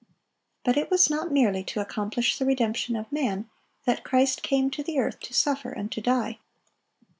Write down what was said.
But it was not merely to accomplish the redemption of man that Christ came to the earth to suffer and to die.